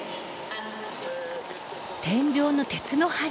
天井の鉄の梁